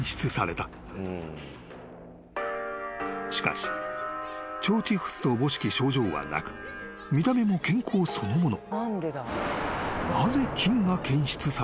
［しかし腸チフスとおぼしき症状はなく見た目も健康そのもの］